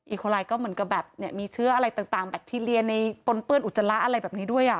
คนร้ายก็เหมือนกับแบบมีเชื้ออะไรต่างแบคทีเรียในปนเปื้อนอุจจาระอะไรแบบนี้ด้วย